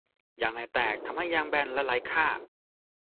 ยางในแตกทำให้ยางแบนและไร้ค่า